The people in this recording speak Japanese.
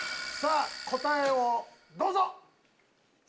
さぁ答えをどうぞ！